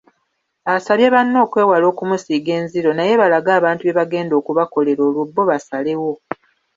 Asabye banne okwewala okumusiiga enziro naye balage abantu bye bagenda okubakolera olwo bo basalewo.